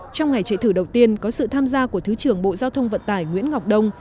trong ngày chạy thử đầu tiên có sự tham gia của thứ trưởng bộ giao thông vận tải nguyễn ngọc đông